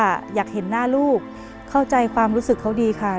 รายการต่อไปนี้เป็นรายการทั่วไปสามารถรับชมได้ทุกวัย